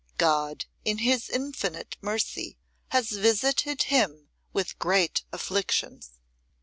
God, in His infinite mercy, has visited him with great afflictions.